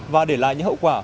và để lại những hậu quả